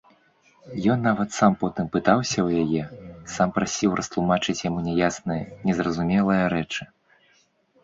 Ён нават сам потым пытаўся ў яе, сам прасіў растлумачыць яму няясныя, незразумелыя рэчы.